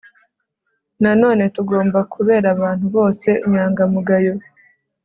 nanone tugomba kubera abantu bose inyangamugayo